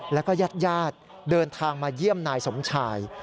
แล้วก็ญาติญาติเดินทางมาเยี่ยมนายสมชาย